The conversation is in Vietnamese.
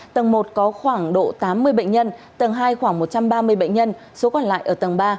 tầng một có khoảng độ tám mươi bệnh nhân tầng hai khoảng một trăm ba mươi bệnh nhân số còn lại ở tầng ba